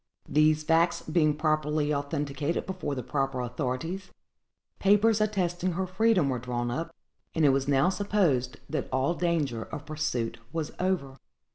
These facts being properly authenticated before the proper authorities, papers attesting her freedom were drawn up, and it was now supposed that all danger of pursuit was over.